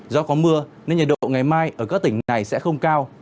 do có mưa nên nhiệt độ ngày mai ở các tỉnh này sẽ không cao